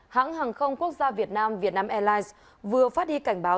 hãng hàng không quốc gia việt nam việt nam airlines vừa phát đi cảnh báo